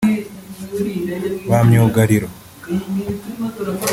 Ba myugariro